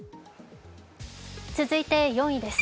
続いて４位です。